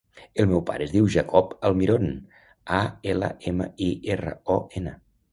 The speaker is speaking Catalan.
El meu pare es diu Jacob Almiron: a, ela, ema, i, erra, o, ena.